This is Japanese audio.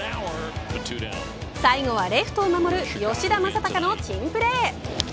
最後はレフトを守る吉田正尚の珍プレー。